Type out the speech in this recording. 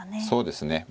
そうですね